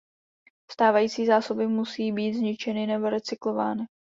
Stávající zásoby musí být zničeny nebo recyklovány.